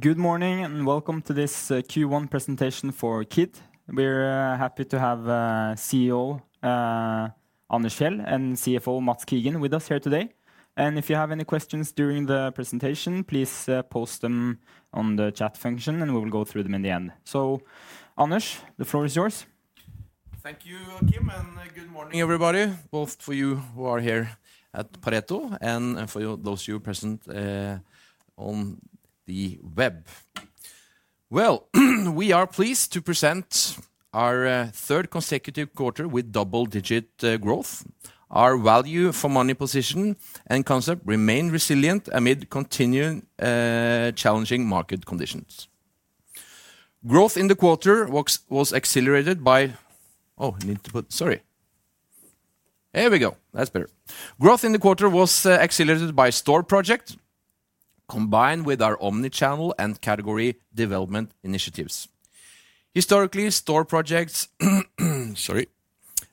Good morning and welcome to this Q1 presentation for Kid. We're happy to have CEO Anders Fjeld and CFO Mads Kigen with us here today. If you have any questions during the presentation, please post them on the chat function and we will go through them in the end. Anders, the floor is yours. Thank you, Joakim, and good morning everybody, both for you who are here at Pareto and for those of you present on the web. Well, we are pleased to present our third consecutive quarter with double-digit growth. Our value-for-money position and concept remain resilient amid continuing challenging market conditions. Growth in the quarter was accelerated by store project, combined with our omnichannel and category development initiatives. Historically, store projects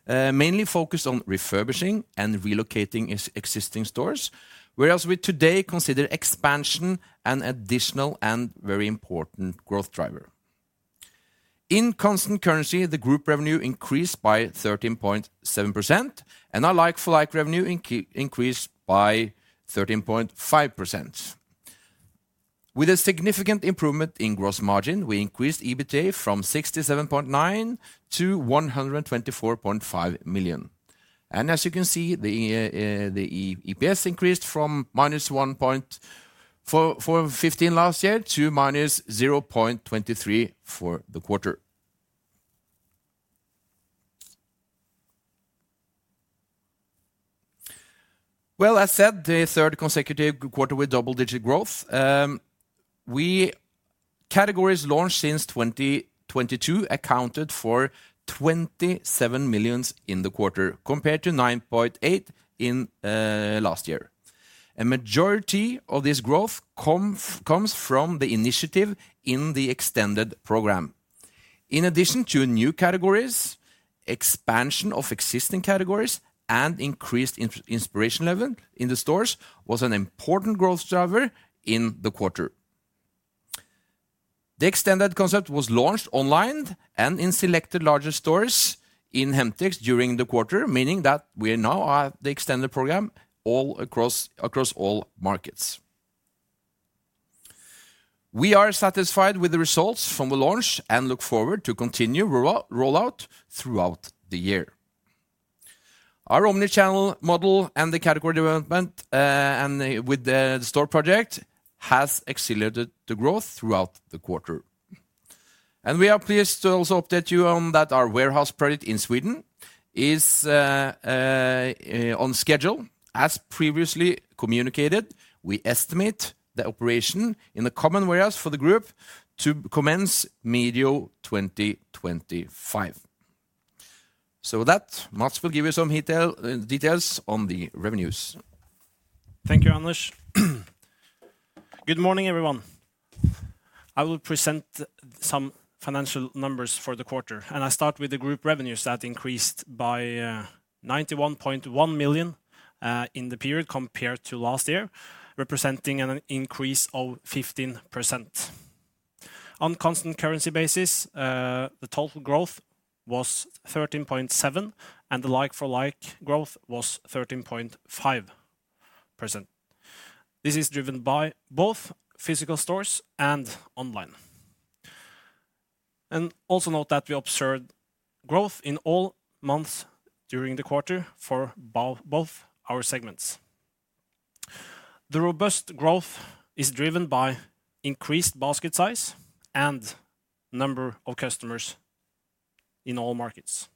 mainly focused on refurbishing and relocating existing stores, whereas we today consider expansion an additional and very important growth driver. In constant currency, the group revenue increased by 13.7%, and our like-for-like revenue increased by 13.5%. With a significant improvement in gross margin, we increased EBITDA from 67.9 million to 124.5 million. As you can see, the EPS increased from -1.15 last year to -0.23 for the quarter. Well, as said, the third consecutive quarter with double-digit growth. Categories launched since 2022 accounted for 27 million in the quarter, compared to 9.8 million in last year. A majority of this growth comes from the initiative in the Extended program. In addition to new categories, expansion of existing categories and increased inspiration level in the stores was an important growth driver in the quarter. The Extended concept was launched online and in selected larger stores in Hemtex during the quarter, meaning that we now have the Extended program all across all markets. We are satisfied with the results from the launch and look forward to continuing rollout throughout the year. Our omnichannel model and the category development with the store project have accelerated the growth throughout the quarter. We are pleased to also update you on that our warehouse project in Sweden is on schedule. As previously communicated, we estimate the operation in the common warehouse for the group to commence mid-2025. With that, Mads will give you some details on the revenues. Thank you, Anders. Good morning, everyone. I will present some financial numbers for the quarter, and I start with the group revenues that increased by 91.1 million in the period compared to last year, representing an increase of 15%. On a constant currency basis, the total growth was 13.7%, and the like-for-like growth was 13.5%. This is driven by both physical stores and online. Also note that we observed growth in all months during the quarter for both our segments. The robust growth is driven by increased basket size and number of customers in all markets.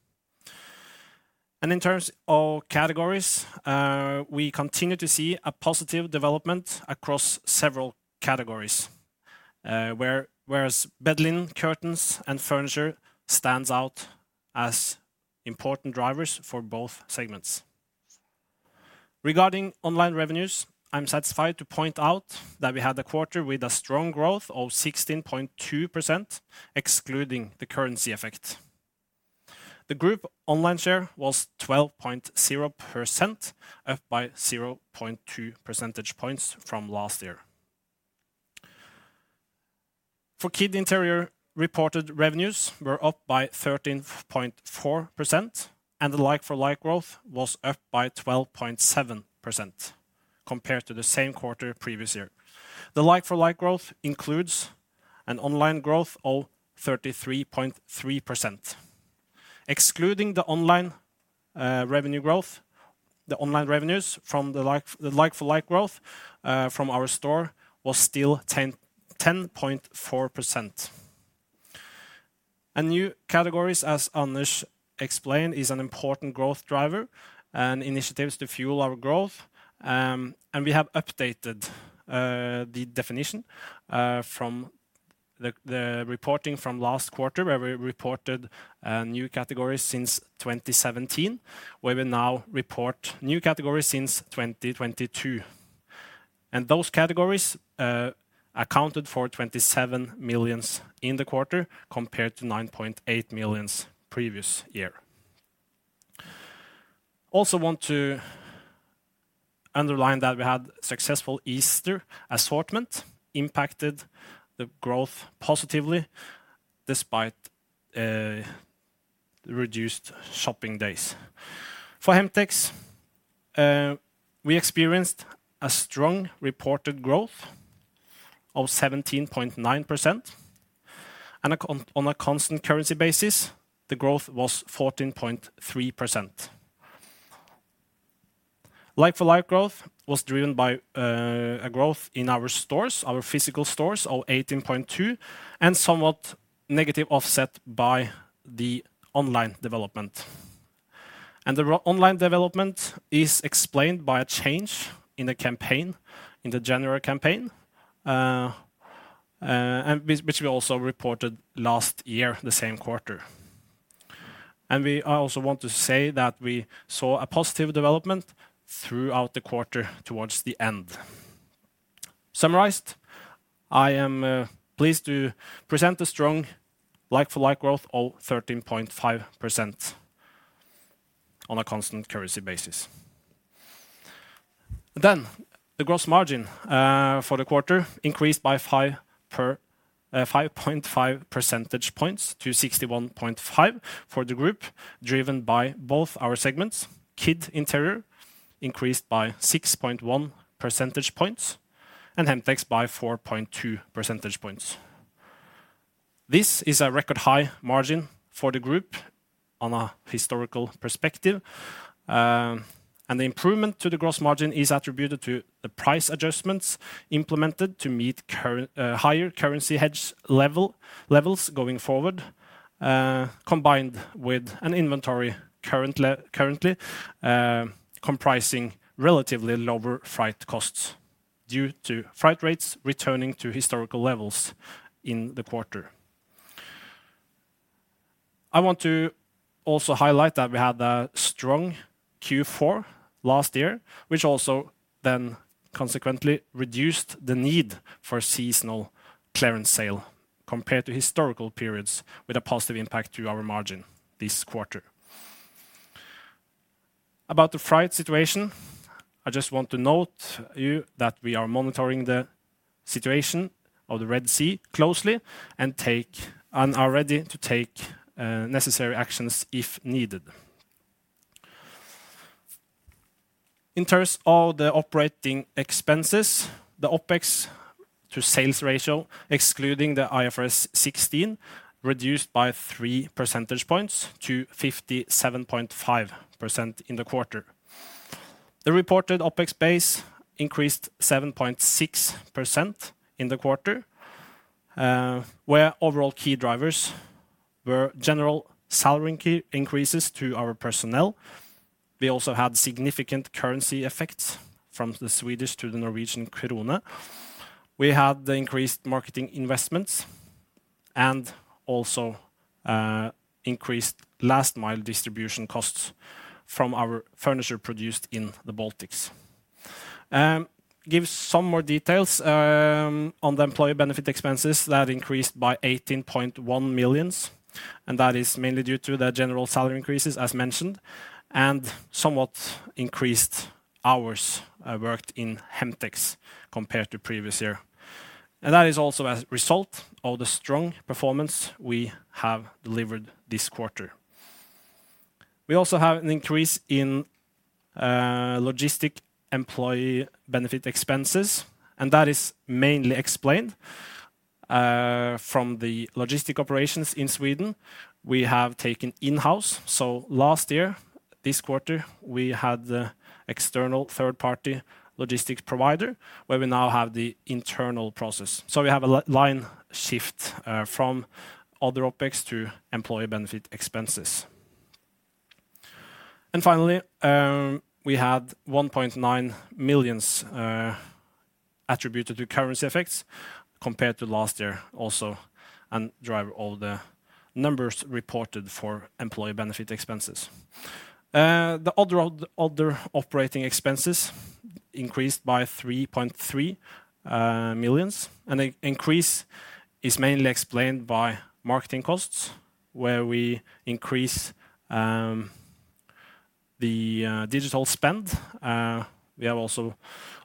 In terms of categories, we continue to see a positive development across several categories, whereas bed linen, curtains, and furniture stand out as important drivers for both segments. Regarding online revenues, I'm satisfied to point out that we had a quarter with a strong growth of 16.2% excluding the currency effect. The group online share was 12.0%, up by 0.2 percentage points from last year. For Kid Interiør, reported revenues were up by 13.4%, and the like-for-like growth was up by 12.7% compared to the same quarter previous year. The like-for-like growth includes an online growth of 33.3%. Excluding the online revenue growth, the online revenues from the like-for-like growth from our store were still 10.4%. New categories, as Anders explained, are an important growth driver and initiatives to fuel our growth. We have updated the definition from the reporting from last quarter, where we reported new categories since 2017, where we now report new categories since 2022. Those categories accounted for 27 million in the quarter compared to 9.8 million previous year. Also want to underline that we had successful Easter assortment impacted the growth positively despite reduced shopping days. For Hemtex, we experienced a strong reported growth of 17.9%, and on a constant currency basis, the growth was 14.3%. Like-for-like growth was driven by a growth in our stores, our physical stores of 18.2%, and somewhat negative offset by the online development. And the online development is explained by a change in the campaign, in the January campaign, which we also reported last year, the same quarter. And I also want to say that we saw a positive development throughout the quarter towards the end. Summarized, I am pleased to present a strong like-for-like growth of 13.5% on a constant currency basis. Then the gross margin for the quarter increased by 5.5 percentage points to 61.5% for the group, driven by both our segments, Kid Interiør increased by 6.1 percentage points and Hemtex by 4.2 percentage points. This is a record high margin for the group on a historical perspective. The improvement to the gross margin is attributed to the price adjustments implemented to meet higher currency hedge levels going forward, combined with an inventory currently comprising relatively lower freight costs due to freight rates returning to historical levels in the quarter. I want to also highlight that we had a strong Q4 last year, which also then consequently reduced the need for seasonal clearance sale compared to historical periods with a positive impact to our margin this quarter. About the freight situation, I just want to note you that we are monitoring the situation of the Red Sea closely and are ready to take necessary actions if needed. In terms of the operating expenses, the OpEx-to-sales ratio, excluding the IFRS 16, reduced by three percentage points to 57.5% in the quarter. The reported OpEx base increased 7.6% in the quarter, where overall key drivers were general salary increases to our personnel. We also had significant currency effects from the Swedish to the Norwegian krone. We had increased marketing investments and also increased last-mile distribution costs from our furniture produced in the Baltics. Give some more details on the employee benefit expenses. That increased by 18.1 million, and that is mainly due to the general salary increases, as mentioned, and somewhat increased hours worked in Hemtex compared to previous year. And that is also a result of the strong performance we have delivered this quarter. We also have an increase in logistic employee benefit expenses, and that is mainly explained from the logistic operations in Sweden. We have taken in-house. So last year, this quarter, we had an external third-party logistics provider where we now have the internal process. So we have a line shift from other OpEx to employee benefit expenses. And finally, we had 1.9 million attributed to currency effects compared to last year also, and drive all the numbers reported for employee benefit expenses. The other operating expenses increased by 3.3 million, and the increase is mainly explained by marketing costs where we increase the digital spend. We have also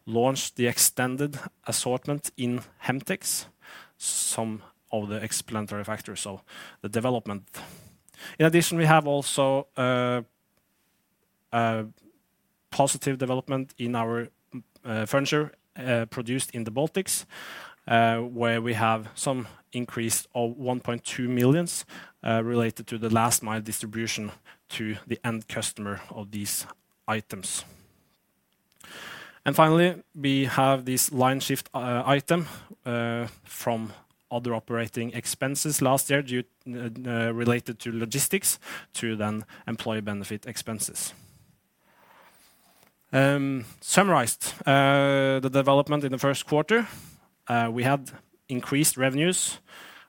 launched the Extended assortment in Hemtex, some of the explanatory factors, so the development. In addition, we have also positive development in our furniture produced in the Baltics, where we have some increase of 1.2 million related to the last-mile distribution to the end customer of these items. And finally, we have this line shift item from other operating expenses last year related to logistics to then employee benefit expenses. Summarized the development in the first quarter, we had increased revenues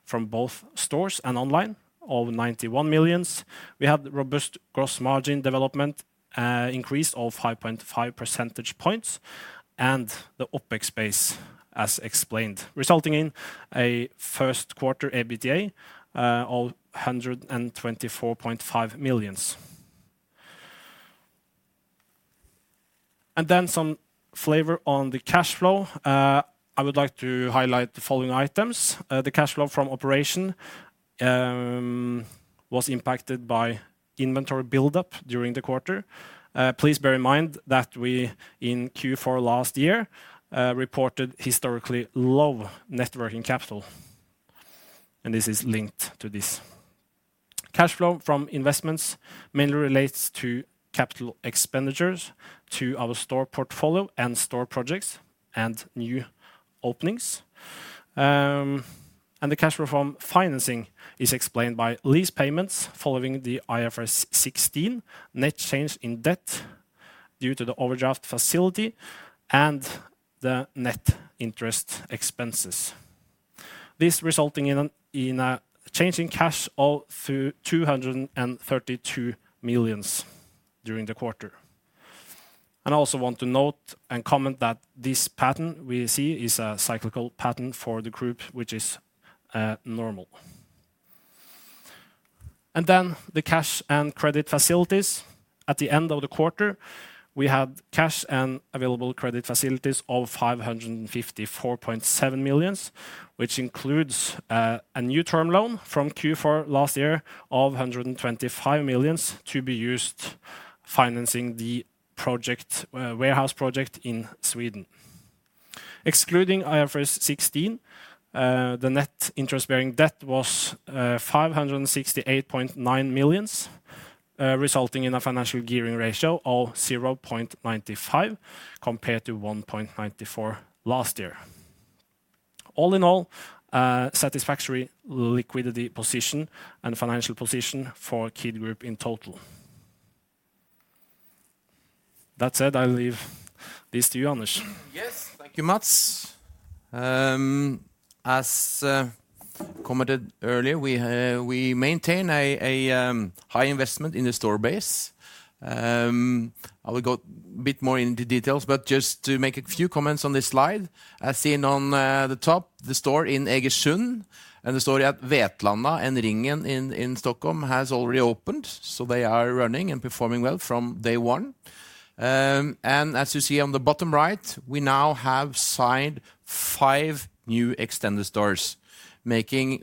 from both stores and online of 91 million. We had robust gross margin development increased of 5.5 percentage points and the OpEx base, as explained, resulting in a first quarter EBITDA of 124.5 million. And then some flavor on the cash flow. I would like to highlight the following items. The cash flow from operations was impacted by inventory buildup during the quarter. Please bear in mind that we in Q4 last year reported historically low net working capital, and this is linked to this. Cash flow from investments mainly relates to capital expenditures to our store portfolio and store projects and new openings. And the cash flow from financing is explained by lease payments following the IFRS 16, net change in debt due to the overdraft facility, and the net interest expenses. This resulted in a change in cash of 232 million during the quarter. I also want to note and comment that this pattern we see is a cyclical pattern for the group, which is normal. Then the cash and credit facilities. At the end of the quarter, we had cash and available credit facilities of 554.7 million, which includes a new term loan from Q4 last year of 125 million to be used financing the project, warehouse project in Sweden. Excluding IFRS 16, the net interest-bearing debt was 568.9 million, resulting in a financial gearing ratio of 0.95 compared to 1.94 last year. All in all, satisfactory liquidity position and financial position for Kid Group in total. That said, I leave this to you, Anders. Yes. Thank you, Mads. As commented earlier, we maintain a high investment in the store base. I will go a bit more into details, but just to make a few comments on this slide. As seen on the top, the store in Egersund and the store at Vetlanda and Ringen in Stockholm has already opened, so they are running and performing well from day one. And as you see on the bottom right, we now have signed 5 new Extended stores, making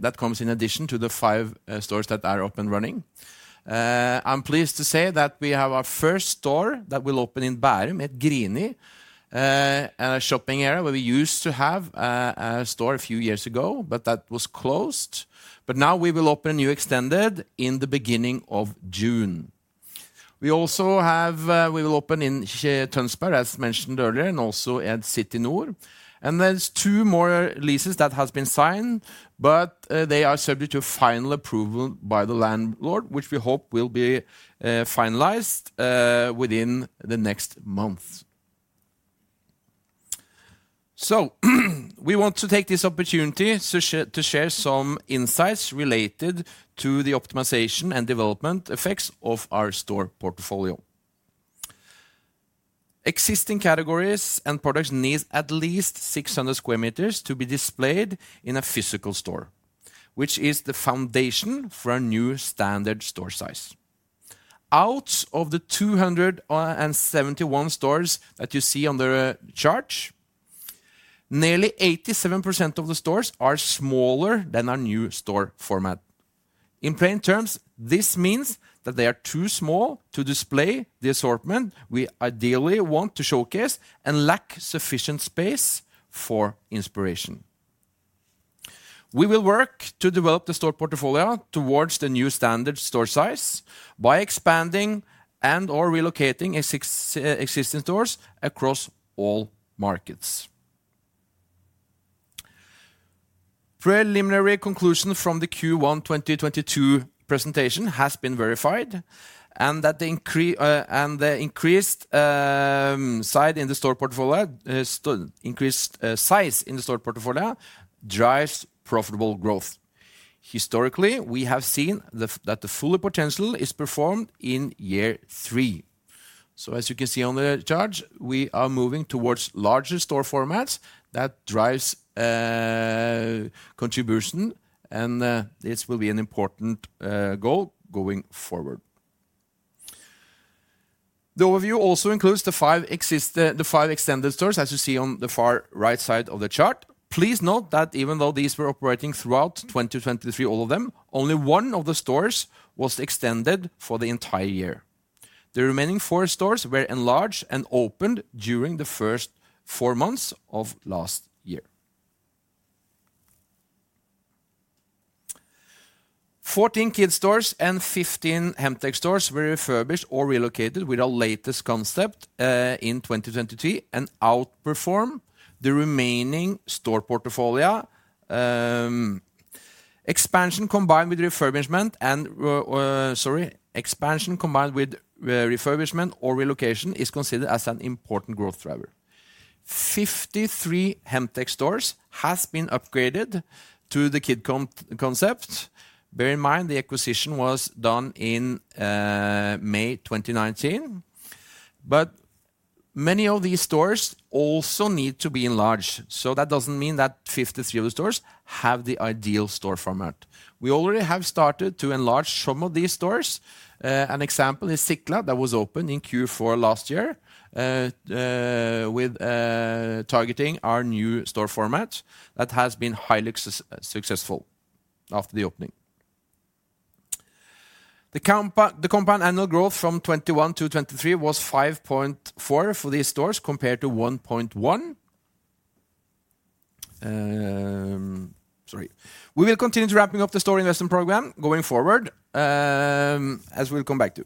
that comes in addition to the 5 stores that are open running. I'm pleased to say that we have our first store that will open in Bærum at Grini, and a shopping area where we used to have a store a few years ago, but that was closed. But now we will open a new Extended in the beginning of June. We also will open in Tønsberg, as mentioned earlier, and also at City Nord. There's two more leases that have been signed, but they are subject to final approval by the landlord, which we hope will be finalized within the next month. We want to take this opportunity to share some insights related to the optimization and development effects of our store portfolio. Existing categories and products need at least 600 square meters to be displayed in a physical store, which is the foundation for a new standard store size. Out of the 271 stores that you see on the chart, nearly 87% of the stores are smaller than our new store format. In plain terms, this means that they are too small to display the assortment we ideally want to showcase and lack sufficient space for inspiration. We will work to develop the store portfolio towards the new standard store size by expanding and/or relocating existing stores across all markets. Preliminary conclusion from the Q1 2022 presentation has been verified, and that the increased size in the store portfolio drives profitable growth. Historically, we have seen that the full potential is performed in year three. So as you can see on the chart, we are moving towards larger store formats that drive contribution, and this will be an important goal going forward. The overview also includes the five Extended stores, as you see on the far right side of the chart. Please note that even though these were operating throughout 2023, all of them, only 1 of the stores was Extended for the entire year. The remaining 4 stores were enlarged and opened during the first 4 months of last year. 14 Kid stores and 15 Hemtex stores were refurbished or relocated with our latest concept in 2023 and outperformed the remaining store portfolio. Expansion combined with refurbishment or relocation is considered as an important growth driver. 53 Hemtex stores have been upgraded to the Kid concept. Bear in mind, the acquisition was done in May 2019. But many of these stores also need to be enlarged. So that doesn't mean that 53 of the stores have the ideal store format. We already have started to enlarge some of these stores. An example is Sickla that was opened in Q4 last year with targeting our new store format that has been highly successful after the opening. The compound annual growth from 2021 to 2023 was 5.4% for these stores compared to 1.1%. Sorry. We will continue to wrap up the store investment program going forward, as we'll come back to.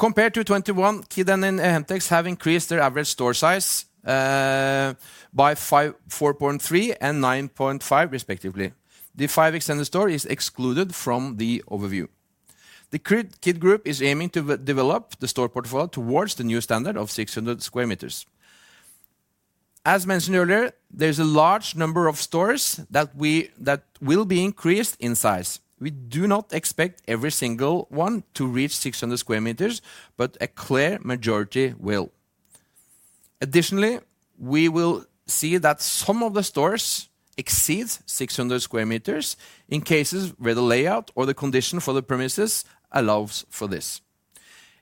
Compared to 2021, Kid and Hemtex have increased their average store size by 4.3% and 9.5%, respectively. The five Extended stores are excluded from the overview. The Kid Group is aiming to develop the store portfolio towards the new standard of 600 sq m. As mentioned earlier, there's a large number of stores that will be increased in size. We do not expect every single one to reach 600 sq m, but a clear majority will. Additionally, we will see that some of the stores exceed 600 sq m in cases where the layout or the condition for the premises allows for this.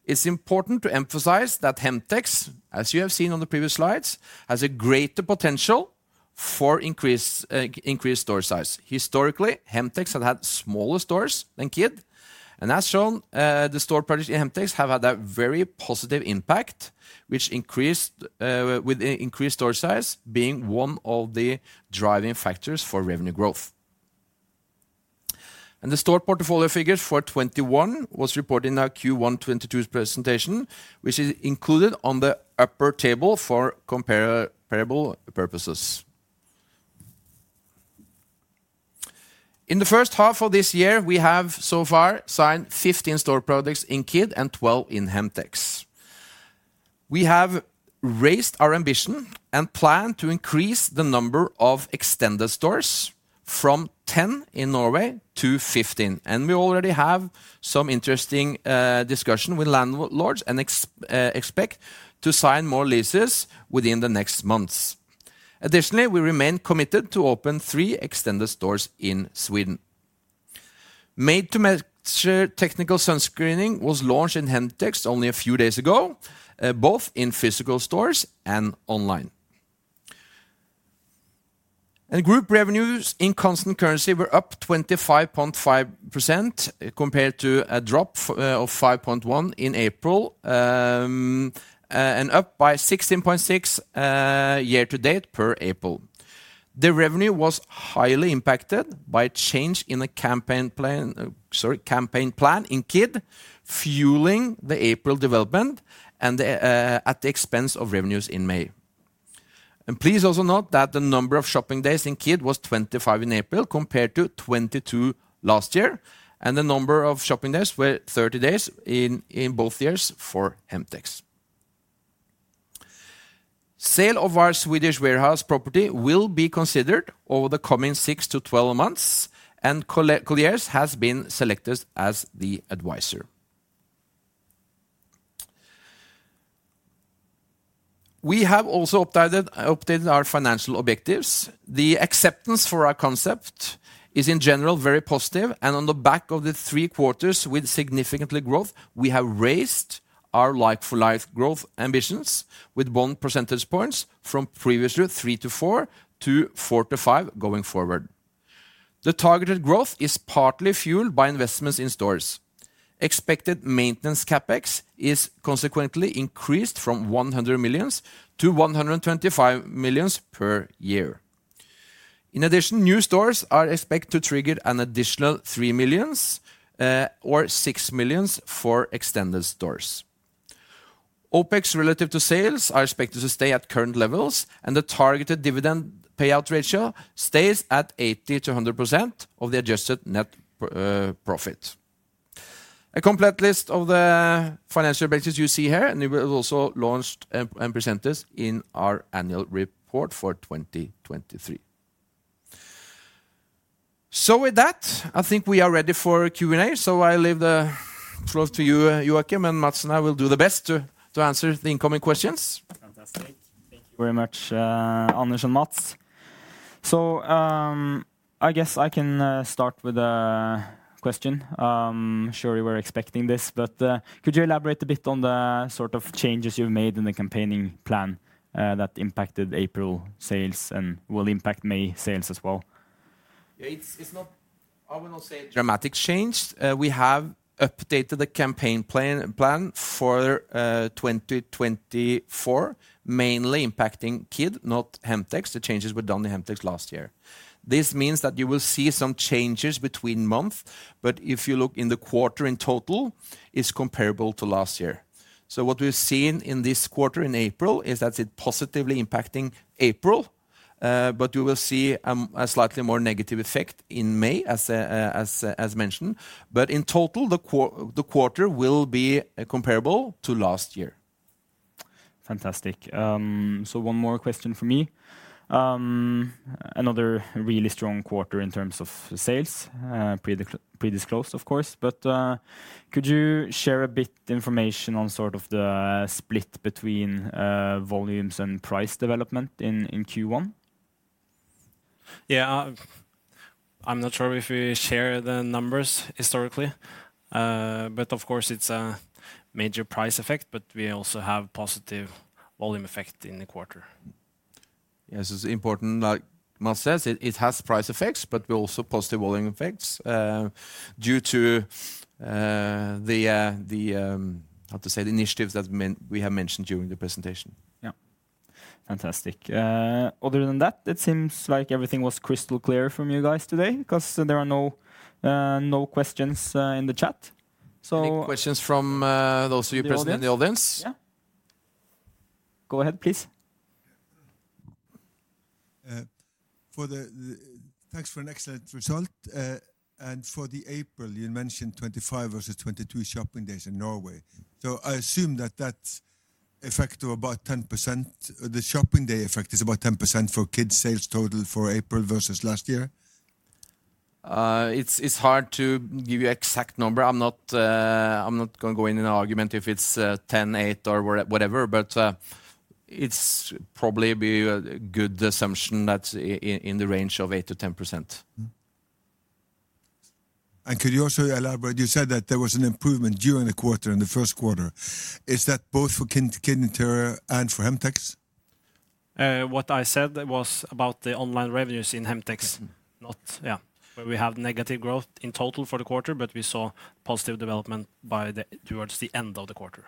It's important to emphasize that Hemtex, as you have seen on the previous slides, has a greater potential for increased store size. Historically, Hemtex has had smaller stores than Kid, and as shown, the store projects in Hemtex have had a very positive impact, which increased with increased store size being one of the driving factors for revenue growth. The store portfolio figures for 2021 were reported in our Q1 2022 presentation, which is included on the upper table for comparable purposes. In the first half of this year, we have so far signed 15 store projects in Kid and 12 in Hemtex. We have raised our ambition and plan to increase the number of Extended stores from 10 in Norway to 15. We already have some interesting discussion with landlords and expect to sign more leases within the next months. Additionally, we remain committed to open three Extended stores in Sweden. Made-to-measure technical sunscreening was launched in Hemtex only a few days ago, both in physical stores and online. Group revenues in constant currency were up 25.5% compared to a drop of 5.1% in April and up by 16.6% year to date per April. The revenue was highly impacted by change in a campaign plan in Kid, fueling the April development at the expense of revenues in May. Please also note that the number of shopping days in Kid was 25 in April compared to 22 last year, and the number of shopping days was 30 days in both years for Hemtex. Sale of our Swedish warehouse property will be considered over the coming six to 12 months, and Colliers has been selected as the advisor. We have also updated our financial objectives. The acceptance for our concept is, in general, very positive, and on the back of the three quarters with significant growth, we have raised our like-for-like growth ambitions with 1 percentage point from previously 3%-4% to 4%-5% going forward. The targeted growth is partly fueled by investments in stores. Expected maintenance CapEx is consequently increased from 100 million to 125 million per year. In addition, new stores are expected to trigger an additional 3 million or 6 million for Extended stores. OpEx relative to sales are expected to stay at current levels, and the targeted dividend payout ratio stays at 80%-100% of the adjusted net profit. A complete list of the financial objectives you see here, and it was also launched and presented in our annual report for 2023. So with that, I think we are ready for Q&A. So I leave the floor to you, Joakim, and Mads and I will do the best to answer the incoming questions. Fantastic. Thank you very much, Anders and Mads. I guess I can start with a question. Surely we're expecting this, but could you elaborate a bit on the sort of changes you've made in the campaigning plan that impacted April sales and will impact May sales as well? Yeah, it's not. I will not say. Dramatic change. We have updated the campaign plan for 2024, mainly impacting Kid, not Hemtex. The changes were done in Hemtex last year. This means that you will see some changes between months, but if you look in the quarter in total, it's comparable to last year. So what we've seen in this quarter in April is that it's positively impacting April, but you will see a slightly more negative effect in May, as mentioned. But in total, the quarter will be comparable to last year. Fantastic. So one more question for me. Another really strong quarter in terms of sales, predisclosed, of course. But could you share a bit of information on sort of the split between volumes and price development in Q1? Yeah, I'm not sure if we share the numbers historically, but of course, it's a major price effect, but we also have a positive volume effect in the quarter. Yeah, so it's important. Like Mads says, it has price effects, but also positive volume effects due to the, how to say, the initiatives that we have mentioned during the presentation. Yeah. Fantastic. Other than that, it seems like everything was crystal clear from you guys today because there are no questions in the chat. So. Any questions from those of you present in the audience? Yeah. Go ahead, please. Thanks for an excellent result. For the April, you mentioned 25 versus 22 shopping days in Norway. I assume that that's effective about 10%. The shopping day effect is about 10% for Kid sales total for April versus last year? It's hard to give you an exact number. I'm not going to go in on an argument if it's 10, 8, or whatever, but it's probably a good assumption that's in the range of 8%-10%. Could you also elaborate? You said that there was an improvement during the quarter, in the first quarter. Is that both for Kid and for Hemtex? What I said was about the online revenues in Hemtex, yeah, where we have negative growth in total for the quarter, but we saw positive development towards the end of the quarter.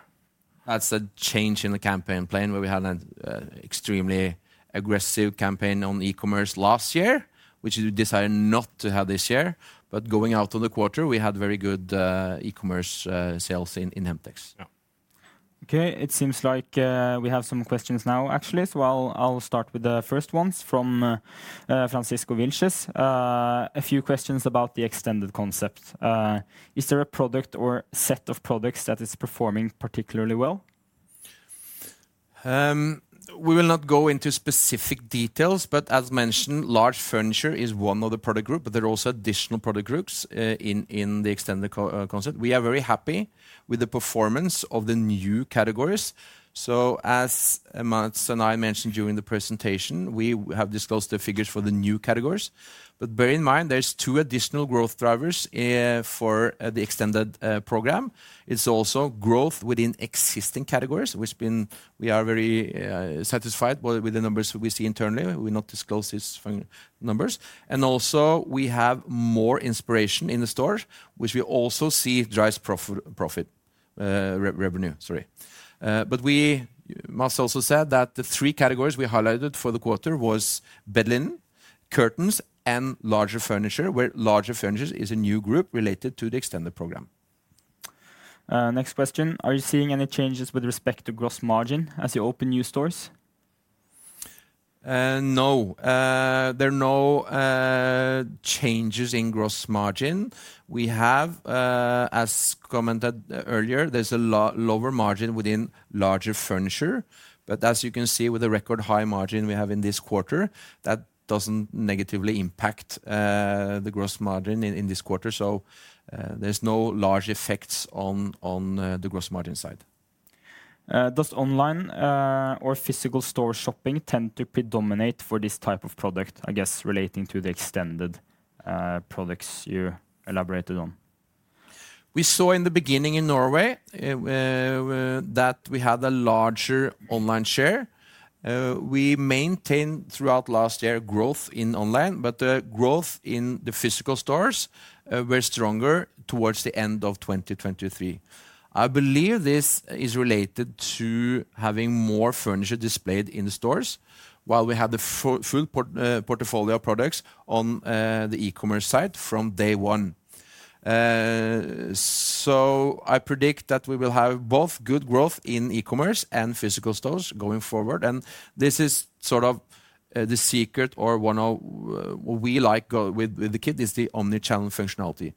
That's a change in the campaign plan where we had an extremely aggressive campaign on e-commerce last year, which we decided not to have this year. But going out on the quarter, we had very good e-commerce sales in Hemtex. Yeah. Okay, it seems like we have some questions now, actually. I'll start with the first ones from Francisco Vilches. A few questions about the Extended concept. Is there a product or set of products that is performing particularly well? We will not go into specific details, but as mentioned, large furniture is one of the product groups, but there are also additional product groups in the Extended concept. We are very happy with the performance of the new categories. So as Mads and I mentioned during the presentation, we have disclosed the figures for the new categories. But bear in mind, there's two additional growth drivers for the Extended program. It's also growth within existing categories, which we are very satisfied with the numbers we see internally. We're not disclosing these numbers. And also, we have more inspiration in the stores, which we also see drives profit revenue. But we must also say that the three categories we highlighted for the quarter were bed linen, curtains, and larger furniture, where larger furniture is a new group related to the Extended program. Next question. Are you seeing any changes with respect to gross margin as you open new stores? No. There are no changes in gross margin. We have, as commented earlier, there's a lower margin within larger furniture. But as you can see, with the record high margin we have in this quarter, that doesn't negatively impact the gross margin in this quarter. So there's no large effects on the gross margin side. Does online or physical store shopping tend to predominate for this type of product, I guess, relating to the Extended products you elaborated on? We saw in the beginning in Norway that we had a larger online share. We maintained throughout last year growth in online, but the growth in the physical stores was stronger towards the end of 2023. I believe this is related to having more furniture displayed in the stores while we had the full portfolio of products on the e-commerce site from day one. So I predict that we will have both good growth in e-commerce and physical stores going forward. This is sort of the secret or one of what we like with the Kid is the omnichannel functionality.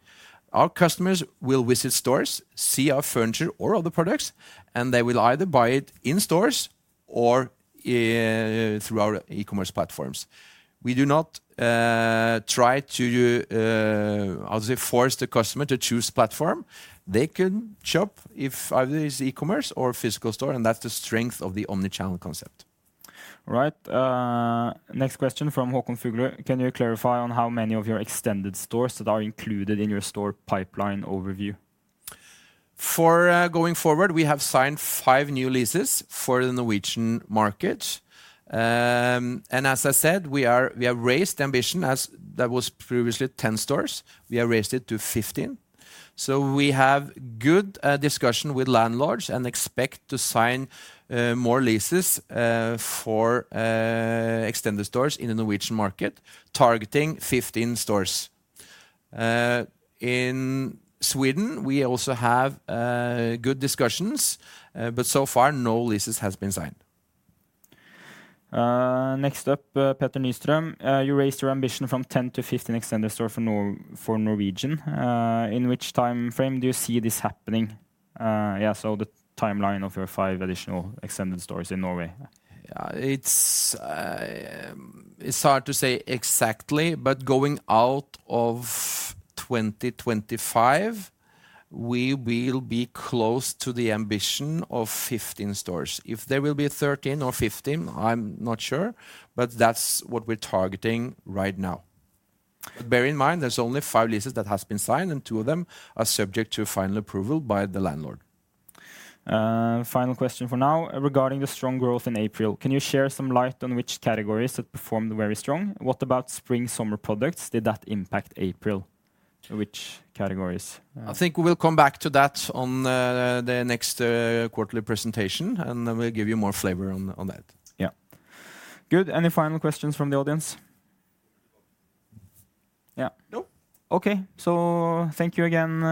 Our customers will visit stores, see our furniture or other products, and they will either buy it in stores or through our e-commerce platforms. We do not try to, how to say, force the customer to choose a platform. They can shop either in e-commerce or physical store, and that's the strength of the omnichannel concept. All right. Next question from Håkon Fugle. Can you clarify on how many of your Extended stores that are included in your store pipeline overview? Going forward, we have signed five new leases for the Norwegian market. As I said, we have raised the ambition. That was previously 10 stores. We have raised it to 15. We have good discussion with landlords and expect to sign more leases for Extended stores in the Norwegian market, targeting 15 stores. In Sweden, we also have good discussions, but so far, no leases have been signed. Next up, Peter Nyström. You raised your ambition from 10-15 Extended stores for Norwegian. In which time frame do you see this happening? Yeah, so the timeline of your 5 additional Extended stores in Norway. It's hard to say exactly, but going out of 2025, we will be close to the ambition of 15 stores. If there will be 13 or 15, I'm not sure, but that's what we're targeting right now. But bear in mind, there's only 5 leases that have been signed, and two of them are subject to final approval by the landlord. Final question for now regarding the strong growth in April. Can you share some light on which categories that performed very strong? What about spring/summer products? Did that impact April? Which categories? I think we will come back to that on the next quarterly presentation, and we'll give you more flavor on that. Yeah. Good. Any final questions from the audience? Yeah. No. Okay. Thank you again,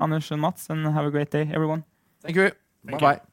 Anders and Mads, and have a great day, everyone. Thank you. Bye-bye.